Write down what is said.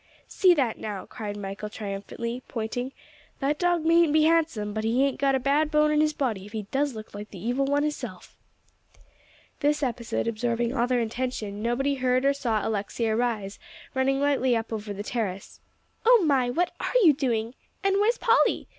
"See that now," cried Michael triumphantly, pointing, "that dog mayn't be handsome, but he hain't got a bad bone in his body, if he does look like the Evil One hisself." This episode absorbing all their attention, nobody heard or saw Alexia Rhys, running lightly up over the terrace. "Oh, my! what are you doing? And where's Polly?"